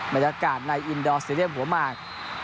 บรรยากาศในอินดอร์ซีเรียมหัวมาก